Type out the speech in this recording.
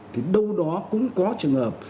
thì đâu đó cũng có trường hợp